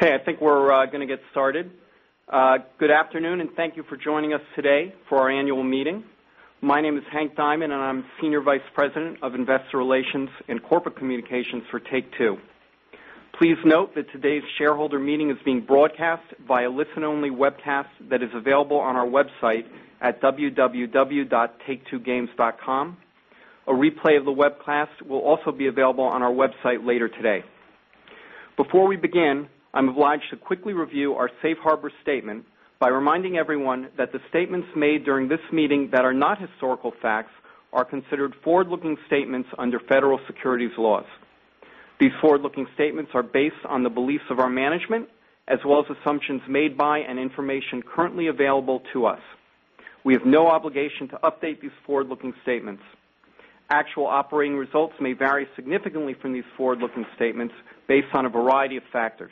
I think we're going to get started. Good afternoon and thank you for joining us today for our annual meeting. My name is Hank Diamond and I'm Senior Vice President of Investor Relations and Corporate Communications for Take-Two. Please note that today's shareholder meeting is being broadcast via listen-only webcast that is available on our website at www.take-two-games.com. A replay of the webcast will also be available on our website later today. Before we begin, I'm obliged to quickly review our safe harbor statement by reminding everyone that the statements made during this meeting that are not historical facts are considered forward-looking statements under federal securities laws. These forward-looking statements are based on the beliefs of our management, as well as assumptions made by and information currently available to us. We have no obligation to update these forward-looking statements. Actual operating results may vary significantly from these forward-looking statements based on a variety of factors.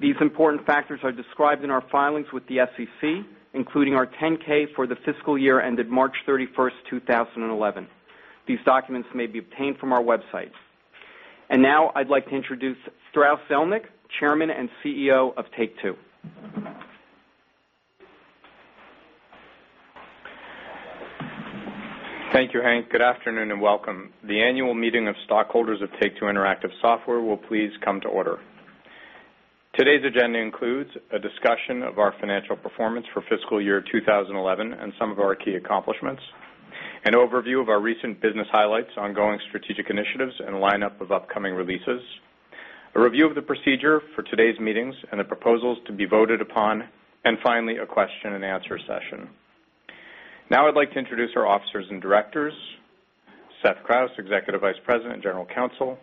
These important factors are described in our filings with the SEC, including our 10-K for the fiscal year ended March 31, 2011. These documents may be obtained from our website. Now I'd like to introduce Strauss Zelnick, Chairman and CEO of Take-Two. Thank you, Hank. Good afternoon and welcome. The annual meeting of stockholders of Take-Two Interactive Software will please come to order. Today's agenda includes a discussion of our financial performance for fiscal year 2011 and some of our key accomplishments, an overview of our recent business highlights, ongoing strategic initiatives, and a lineup of upcoming releases, a review of the procedure for today's meetings and the proposals to be voted upon, and finally, a question and answer session. Now I'd like to introduce our officers and directors: Seth Krauss, Executive Vice President and General Counsel;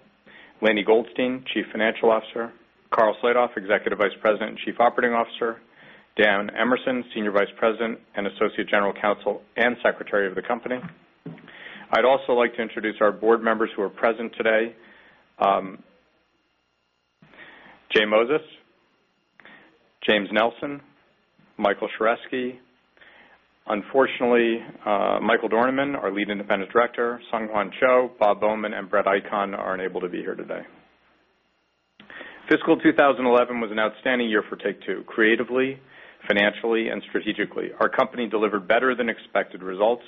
Lainie Goldstein, Chief Financial Officer; Karl Slatoff, Executive Vice President and Chief Operating Officer; Dan Emerson, Senior Vice President and Associate General Counsel and Secretary of the Company. I'd also like to introduce our board members who are present today: J Moses, James Nelson, Michael Sheresky. Unfortunately, Michael Dornemann, our Lead Independent Director; Sunghwan Cho; Bob Bowman; and Brett Icahn are unable to be here today. Fiscal 2011 was an outstanding year for Take-Two creatively, financially, and strategically. Our company delivered better-than-expected results,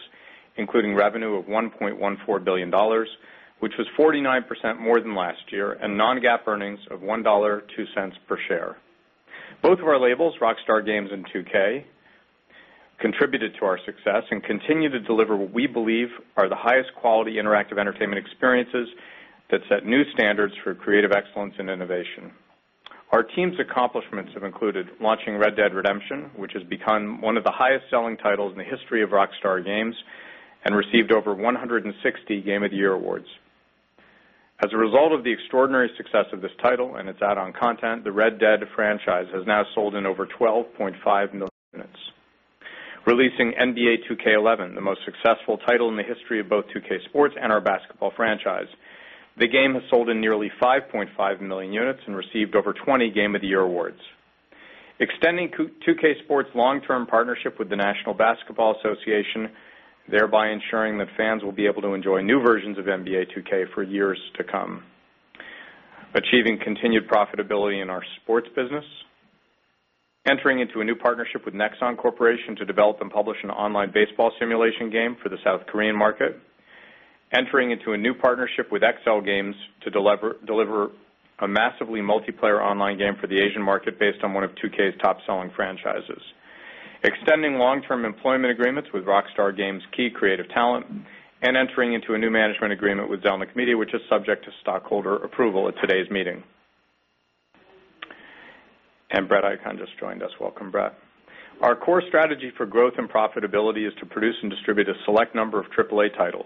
including revenue of $1.14 billion, which was 49% more than last year, and non-GAAP earnings of $1.02 per share. Both of our labels, Rockstar Games and 2K, contributed to our success and continue to deliver what we believe are the highest quality interactive entertainment experiences that set new standards for creative excellence and innovation. Our team's accomplishments have included launching Red Dead Redemption, which has become one of the highest-selling titles in the history of Rockstar Games and received over 160 Game of the Year awards. As a result of the extraordinary success of this title and its add-on content, the Red Dead franchise has now sold in over 12.5 million units. Releasing NBA 2K11, the most successful title in the history of both 2K Sports and our basketball franchise, the game has sold in nearly 5.5 million units and received over 20 Game of the Year awards. Extending 2K Sports' long-term partnership with the National Basketball Association, thereby ensuring that fans will be able to enjoy new versions of NBA 2K for years to come. Achieving continued profitability in our sports business, entering into a new partnership with Nexon Corporation to develop and publish an online baseball simulation game for the South Korean market, entering into a new partnership with XLGAMES to deliver a massively multiplayer online game for the Asian online gaming market based on one of 2K's top-selling franchises, extending long-term employment agreements with Rockstar Games' key creative talent, and entering into a new management agreement with Zelnick Media, which is subject to stockholder approval at today's meeting. Brett Icahn just joined us. Welcome, Brett. Our core strategy for growth and profitability is to produce and distribute a select number of AAA titles,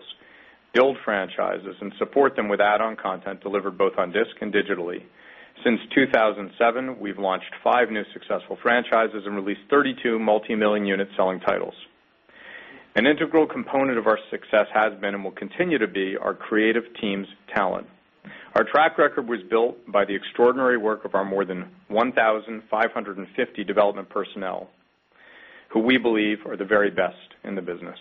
build franchises, and support them with add-on content delivered both on disc and digitally. Since 2007, we've launched five new successful franchises and released 32 multimillion unit selling titles. An integral component of our success has been and will continue to be our creative team's talent. Our track record was built by the extraordinary work of our more than 1,550 development personnel who we believe are the very best in the business.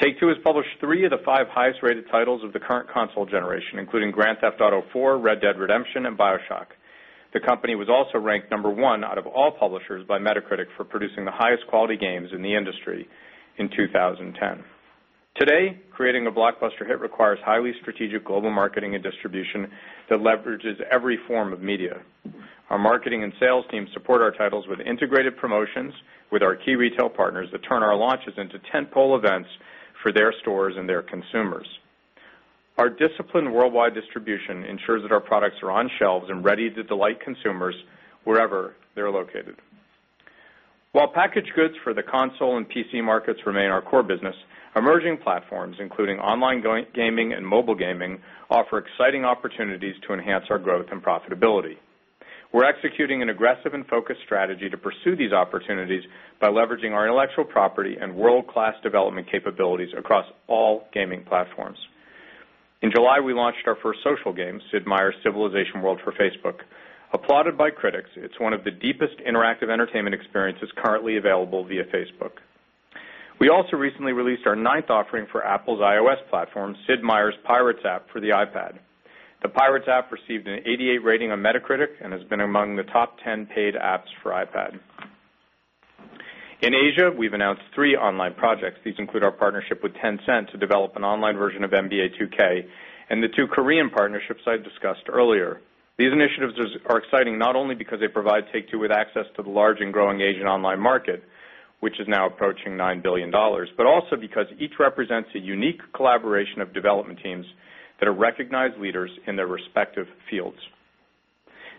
Take-Two has published three of the five highest-rated titles of the current console generation, including Grand Theft Auto IV, Red Dead Redemption, and BioShock. The company was also ranked number one out of all publishers by Metacritic for producing the highest quality games in the industry in 2010. Today, creating a blockbuster hit requires highly strategic global marketing and distribution that leverages every form of media. Our marketing and sales teams support our titles with integrated promotions with our key retail partners that turn our launches into tentpole events for their stores and their consumers. Our disciplined worldwide distribution ensures that our products are on shelves and ready to delight consumers wherever they're located. While packaged goods for the console and PC markets remain our core business, emerging platforms, including online gaming and mobile gaming, offer exciting opportunities to enhance our growth and profitability. We're executing an aggressive and focused strategy to pursue these opportunities by leveraging our intellectual property and world-class development capabilities across all gaming platforms. In July, we launched our first social game, Sid Meier’s Civilization World, for Facebook. Applauded by critics, it's one of the deepest interactive entertainment experiences currently available via Facebook. We also recently released our ninth offering for Apple's iOS platform, Sid Meier's Pirates app for the iPad. The Pirates app received an 88 rating on Metacritic and has been among the top 10 paid apps for iPad. In Asia, we've announced three online projects. These include our partnership with Tencent to develop an online version of NBA 2K and the two Korean partnerships I discussed earlier. These initiatives are exciting not only because they provide Take-Two with access to the large and growing Asian online market, which is now approaching $9 billion, but also because each represents a unique collaboration of development teams that are recognized leaders in their respective fields.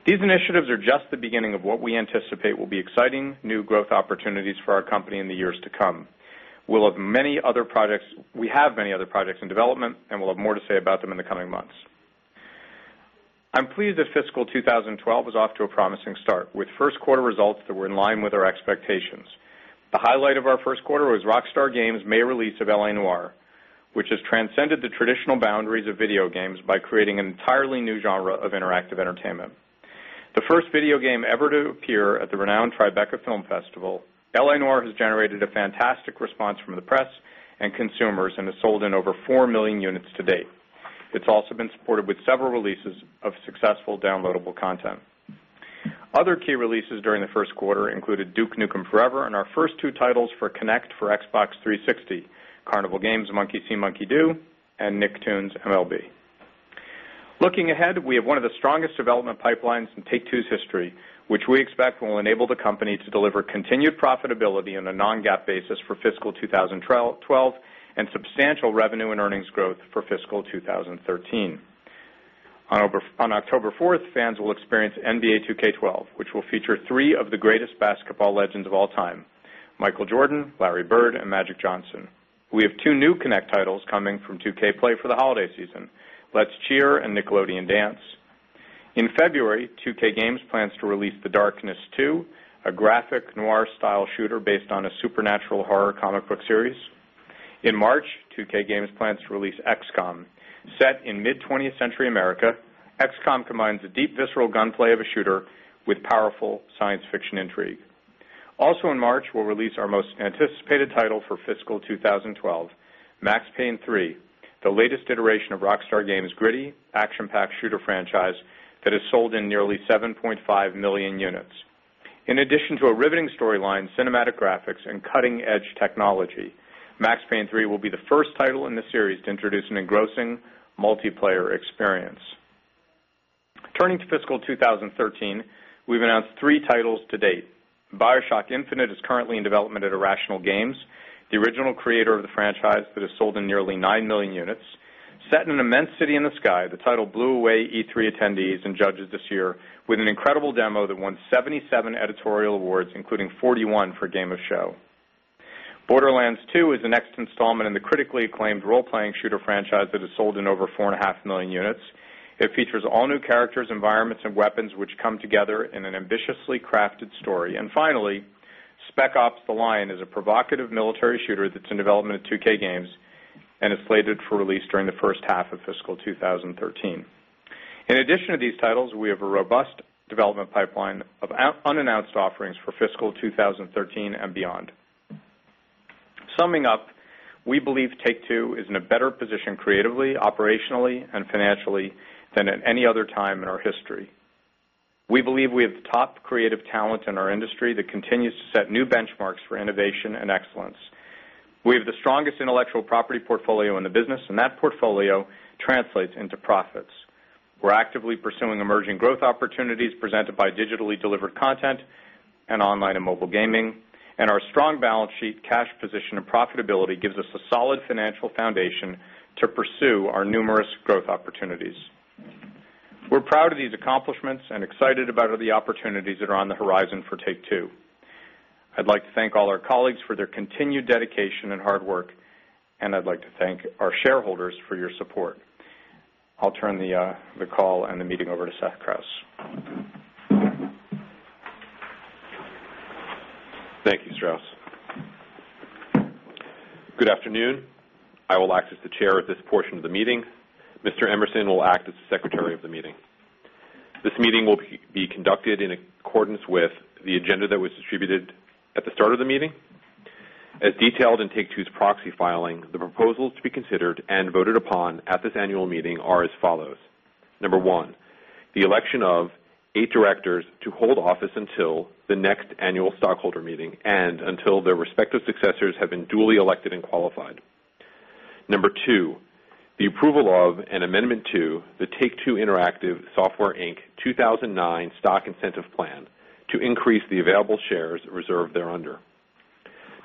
These initiatives are just the beginning of what we anticipate will be exciting new growth opportunities for our company in the years to come. We have many other projects in development, and we'll have more to say about them in the coming months. I'm pleased that fiscal 2012 is off to a promising start with first quarter results that were in line with our expectations. The highlight of our first quarter was Rockstar Games' May release of L.A. Noire, which has transcended the traditional boundaries of video games by creating an entirely new genre of interactive entertainment. The first video game ever to appear at the renowned Tribeca Film Festival, L.A. Noire has generated a fantastic response from the press and consumers and has sold in over 4 million units to date. It's also been supported with several releases of successful downloadable content. Other key releases during the first quarter included Duke Nukem Forever and our first two titles for Kinect for Xbox 360: Carnival Games: Monkey See, Monkey Do and Nicktoons MLB. Looking ahead, we have one of the strongest development pipelines in Take-Two's history, which we expect will enable the company to deliver continued profitability on a non-GAAP basis for fiscal 2012 and substantial revenue and earnings growth for fiscal 2013. On October 4th, fans will experience NBA 2K12, which will feature three of the greatest basketball legends of all time: Michael Jordan, Larry Bird, and Magic Johnson. We have two new Kinect titles coming from 2K Play for the holiday season: Let's Cheer and Nickelodeon Dance. In February, 2K plans to release The Darkness II, a graphic noir-style shooter based on a supernatural horror comic book series. In March, 2K plans to release XCOM. Set in mid-20th century America, XCOM combines the deep, visceral gunplay of a shooter with powerful science fiction intrigue. Also in March, we'll release our most anticipated title for fiscal 2012: Max Payne 3, the latest iteration of Rockstar Games' gritty, action-packed shooter franchise that has sold nearly 7.5 million units. In addition to a riveting storyline, cinematic graphics, and cutting-edge technology, Max Payne 3 will be the first title in the series to introduce an engrossing multiplayer experience. Turning to fiscal 2013, we've announced three titles to date. BioShock Infinite is currently in development at Irrational Games, the original creator of the franchise that has sold nearly 9 million units. Set in an immense city in the sky, the title blew away E3 attendees and judges this year with an incredible demo that won 77 editorial awards, including 41 for Game of Show. Borderlands 2 is the next installment in the critically acclaimed role-playing shooter franchise that has sold over 4.5 million units. It features all new characters, environments, and weapons, which come together in an ambitiously crafted story. Finally, Spec Ops: The Line is a provocative military shooter that's in development at 2K and is slated for release during the first half of fiscal 2013. In addition to these titles, we have a robust development pipeline of unannounced offerings for fiscal 2013 and beyond. Summing up, we believe Take-Two is in a better position creatively, operationally, and financially than at any other time in our history. We believe we have the top creative talent in our industry that continues to set new benchmarks for innovation and excellence. We have the strongest intellectual property portfolio in the business, and that portfolio translates into profits. We're actively pursuing emerging growth opportunities presented by digitally delivered content and online and mobile gaming, and our strong balance sheet, cash position, and profitability give us a solid financial foundation to pursue our numerous growth opportunities. We're proud of these accomplishments and excited about the opportunities that are on the horizon for Take-Two. I'd like to thank all our colleagues for their continued dedication and hard work, and I'd like to thank our shareholders for your support. I'll turn the call and the meeting over to Seth Krauss. Thank you, Strauss. Good afternoon. I will act as the Chair of this portion of the meeting. Mr. Emerson will act as the Secretary of the meeting. This meeting will be conducted in accordance with the agenda that was distributed at the start of the meeting. As detailed in Take-Two's proxy filing, the proposals to be considered and voted upon at this annual meeting are as follows: Number one, the election of eight directors to hold office until the next annual stockholder meeting and until their respective successors have been duly elected and qualified. Number two, the approval of an amendment to the Take-Two Interactive Software Inc 2009 stock incentive plan to increase the available shares reserved thereunder.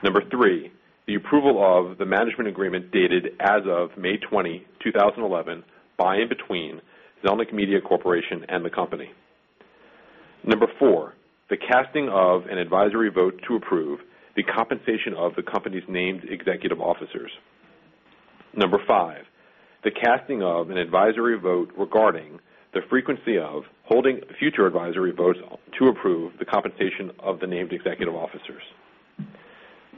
Number three, the approval of the management agreement dated as of May 20, 2011, by and between Zelnick Media Corporation and the company. Number four, the casting of an advisory vote to approve the compensation of the company's named executive officers. Number five, the casting of an advisory vote regarding the frequency of holding future advisory votes to approve the compensation of the named executive officers.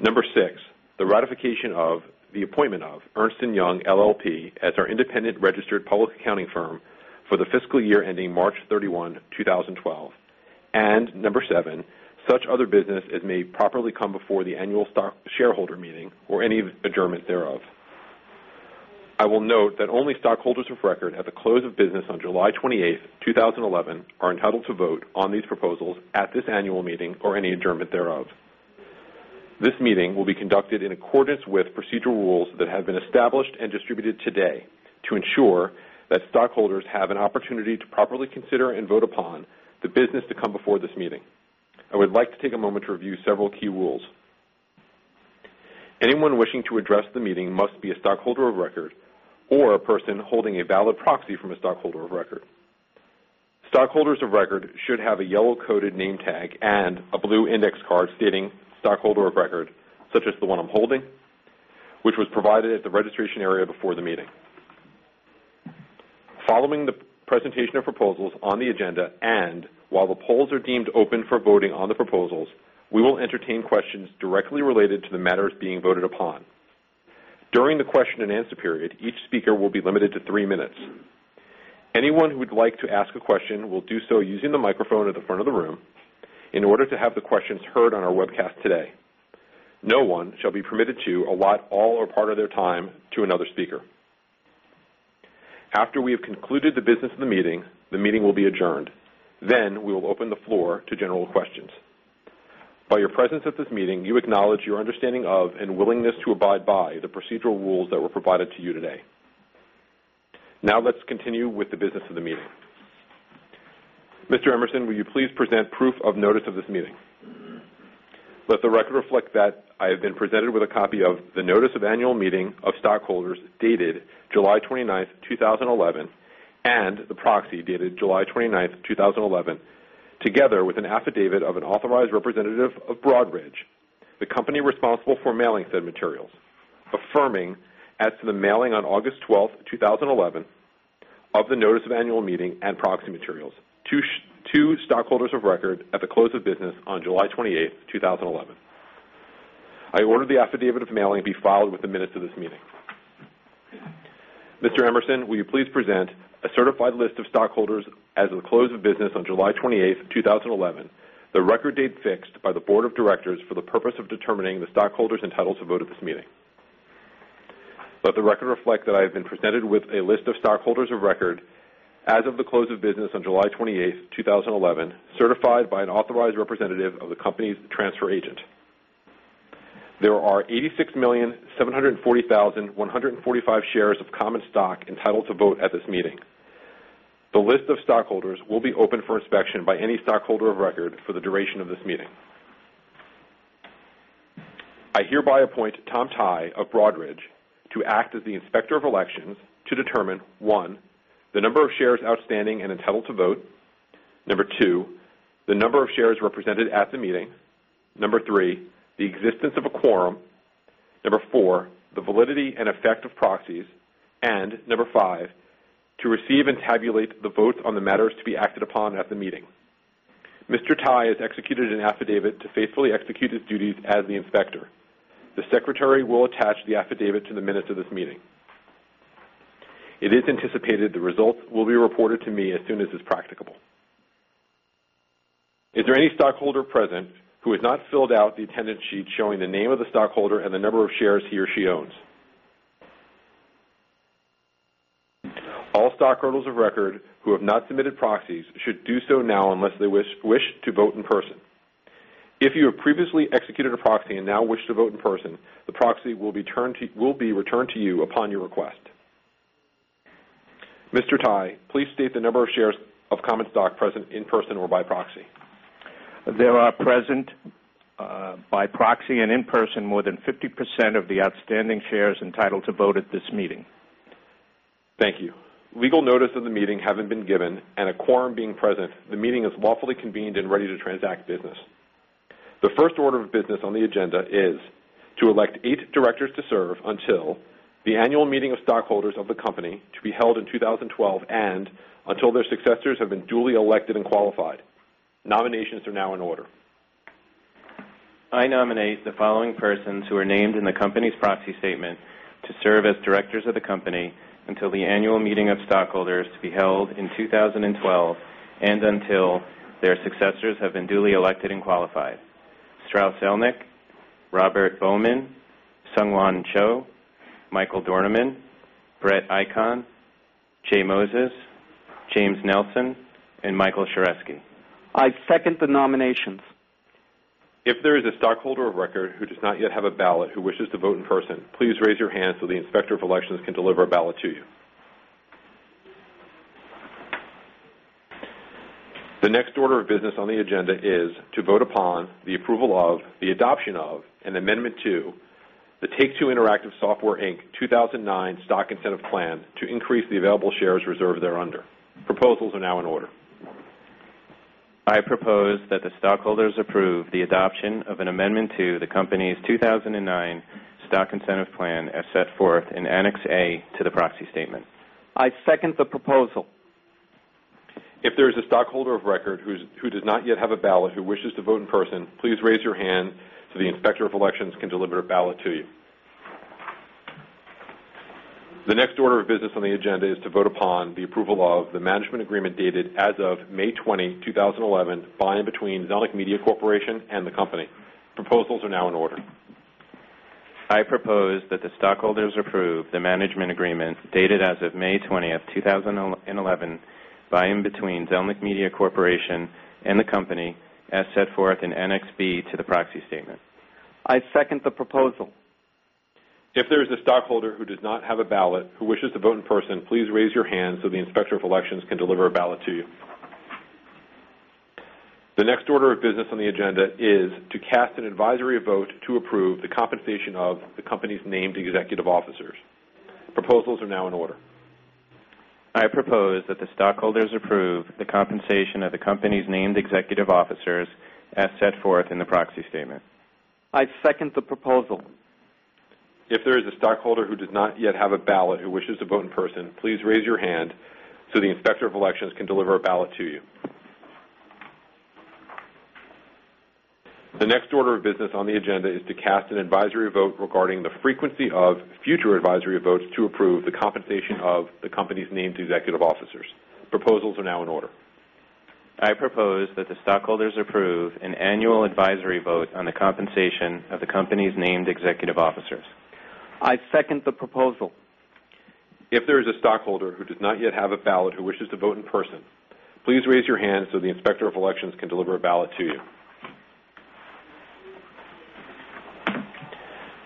Number six, the ratification of the appointment of Ernst & Young LLP as our independent registered public accounting firm for the fiscal year ending March 31, 2012. Number seven, such other business as may properly come before the annual stockholder meeting or any adjournment thereof. I will note that only stockholders of record at the close of business on July 28, 2011, are entitled to vote on these proposals at this annual meeting or any adjournment thereof. This meeting will be conducted in accordance with procedural rules that have been established and distributed today to ensure that stockholders have an opportunity to properly consider and vote upon the business to come before this meeting. I would like to take a moment to review several key rules. Anyone wishing to address the meeting must be a stockholder of record or a person holding a valid proxy from a stockholder of record. Stockholders of record should have a yellow-coated name tag and a blue index card stating stockholder of record, such as the one I'm holding, which was provided at the registration area before the meeting. Following the presentation of proposals on the agenda, and while the polls are deemed open for voting on the proposals, we will entertain questions directly related to the matters being voted upon. During the question and answer period, each speaker will be limited to three minutes. Anyone who would like to ask a question will do so using the microphone at the front of the room in order to have the questions heard on our webcast today. No one shall be permitted to allot all or part of their time to another speaker. After we have concluded the business of the meeting, the meeting will be adjourned. We will open the floor to general questions. By your presence at this meeting, you acknowledge your understanding of and willingness to abide by the procedural rules that were provided to you today. Now let's continue with the business of the meeting. Mr. Emerson, will you please present proof of notice of this meeting? Let the record reflect that I have been presented with a copy of the notice of annual meeting of stockholders dated July 29, 2011, and the proxy dated July 29, 2011, together with an affidavit of an authorized representative of Broadridge, the company responsible for mailing said materials, affirming as to the mailing on August 12, 2011, of the notice of annual meeting and proxy materials to stockholders of record at the close of business on July 28, 2011. I order the affidavit of mailing to be filed within minutes of this meeting. Mr. Emerson, will you please present a certified list of stockholders as of the close of business on July 28, 2011, the record date fixed by the Board of Directors for the purpose of determining the stockholders entitled to vote at this meeting? Let the record reflect that I have been presented with a list of stockholders of record as of the close of business on July 28, 2011, certified by an authorized representative of the company's transfer agent. There are 86,740,145 shares of common stock entitled to vote at this meeting. The list of stockholders will be open for inspection by any stockholder of record for the duration of this meeting. I hereby appoint Tom Tighe of Broadridge to act as the Inspector of Elections to determine: one, the number of shares outstanding and entitled to vote; two, the number of shares represented at the meeting; three, the existence of a quorum; four, the validity and effect of proxies; and five, to receive and tabulate the votes on the matters to be acted upon at the meeting. Mr. Tighe has executed an affidavit to faithfully execute his duties as the inspector. The Secretary will attach the affidavit to the minutes of this meeting. It is anticipated the results will be reported to me as soon as it's practicable. Is there any stockholder present who has not filled out the attendance sheet showing the name of the stockholder and the number of shares he or she owns? All stockholders of record who have not submitted proxies should do so now unless they wish to vote in person. If you have previously executed a proxy and now wish to vote in person, the proxy will be returned to you upon your request. Mr. Tighe, please state the number of shares of common stock present in person or by proxy. They are present by proxy and in-person more than 50% of the outstanding shares entitled to vote at this meeting. Thank you. Legal notice of the meeting having been given and a quorum being present, the meeting is lawfully convened and ready to transact business. The first order of business on the agenda is to elect eight directors to serve until the annual meeting of stockholders of the company to be held in 2012 and until their successors have been duly elected and qualified. Nominations are now in order. I nominate the following persons who are named in the company's proxy statement to serve as directors of the company until the annual meeting of stockholders to be held in 2012 and until their successors have been duly elected and qualified: Strauss Zelnick, Robert Bowman, Sunghwan Cho, Michael Dornemann, Brett Icahn, J Moses, James Nelson, and Michael Sheresky. I second the nominations. If there is a stockholder of record who does not yet have a ballot who wishes to vote in person, please raise your hand so the Inspector of Elections can deliver a ballot to you. The next order of business on the agenda is to vote upon the approval of, the adoption of, an amendment to the Take-Two Interactive Software Inc 2009 stock incentive plan to increase the available shares reserved thereunder. Proposals are now in order. I propose that the stockholders approve the adoption of an amendment to the company's 2009 stock incentive plan as set forth in Annex A to the proxy statement. I second the proposal. If there is a stockholder of record who does not yet have a ballot who wishes to vote in person, please raise your hand so the Inspector of Elections can deliver a ballot to you. The next order of business on the agenda is to vote upon the approval of the management agreement dated as of May 20, 2011, by and between Zelnick Media Corporation and the company. Proposals are now in order. I propose that the stockholders approve the management agreement dated as of May 20, 2011, by and between Zelnick Media Corporation and the company as set forth in Annex B to the proxy statement. I second the proposal. If there is a stockholder who does not have a ballot who wishes to vote in person, please raise your hand so the Inspector of Elections can deliver a ballot to you. The next order of business on the agenda is to cast an advisory vote to approve the compensation of the company's named executive officers. Proposals are now in order. I propose that the stockholders approve the compensation of the company's named executive officers as set forth in the proxy statement. I second the proposal. If there is a stockholder who does not yet have a ballot who wishes to vote in person, please raise your hand so the Inspector of Elections can deliver a ballot to you. The next order of business on the agenda is to cast an advisory vote regarding the frequency of future advisory votes to approve the compensation of the company's named executive officers. Proposals are now in order. I propose that the stockholders approve an annual advisory vote on the compensation of the company's named executive officers. I second the proposal. If there is a stockholder who does not yet have a ballot who wishes to vote in person, please raise your hand so the Inspector of Elections can deliver a ballot to you.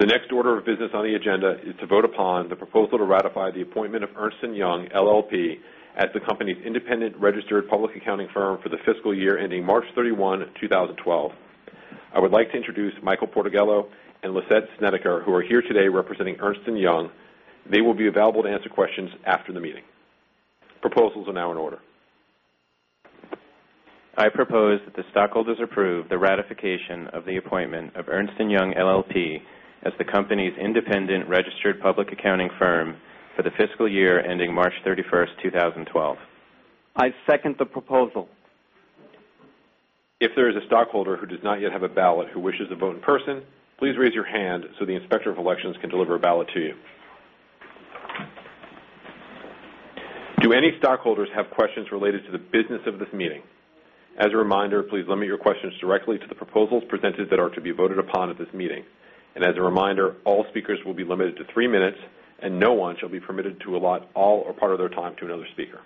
The next order of business on the agenda is to vote upon the proposal to ratify the appointment of Ernst & Young LLP as the company's independent registered public accounting firm for the fiscal year ending March 31, 2012. I would like to introduce Michael Portegello and Licete Snediker, who are here today representing Ernst & Young. They will be available to answer questions after the meeting. Proposals are now in order. I propose that the stockholders approve the ratification of the appointment of Ernst & Young LLP as the company's independent registered public accounting firm for the fiscal year ending March 31, 2012. I second the proposal. If there is a stockholder who does not yet have a ballot who wishes to vote in person, please raise your hand so the Inspector of Elections can deliver a ballot to you. Do any stockholders have questions related to the business of this meeting? As a reminder, please limit your questions directly to the proposals presented that are to be voted upon at this meeting. As a reminder, all speakers will be limited to three minutes, and no one shall be permitted to allot all or part of their time to another speaker.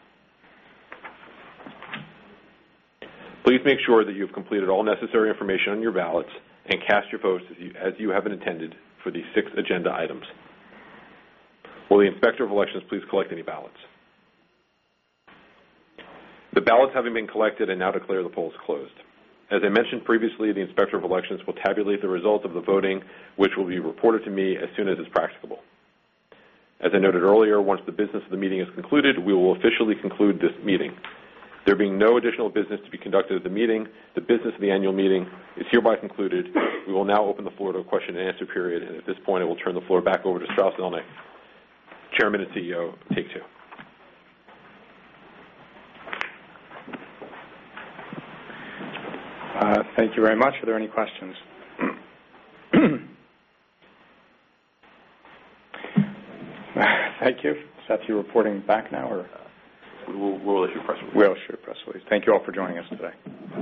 Please make sure that you have completed all necessary information on your ballots and cast your votes as you have intended for the six agenda items. Will the Inspector of Elections please collect any ballots? The ballots having been collected are now declared the polls closed. As I mentioned previously, the Inspector of Elections will tabulate the results of the voting, which will be reported to me as soon as it's practicable. As I noted earlier, once the business of the meeting is concluded, we will officially conclude this meeting. There being no additional business to be conducted at the meeting, the business of the annual meeting is hereby concluded. We will now open the floor to a question and answer period, and at this point, I will turn the floor back over to Strauss Zelnick, Chairman and CEO, Take-Two. Thank you very much. Are there any questions? Thank you. Is that you reporting back now, or? We will issue a press release.. We will issue a press release. Thank you all for joining us today.